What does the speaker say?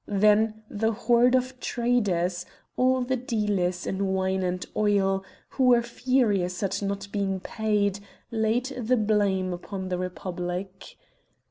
Then the horde of traders, all the dealers in wine and oil, who were furious at not being paid, laid the blame upon the Republic.